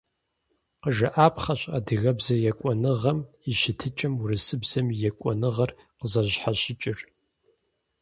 Къыжыӏапхъэщ адыгэбзэ екӏуныгъэм и щытыкӏэм урысыбзэм и екӏуныгъэр къызэрыщхьэщыкӏыр.